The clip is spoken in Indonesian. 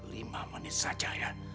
lima menit saja ya